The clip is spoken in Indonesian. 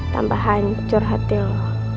tambah hancur hati lo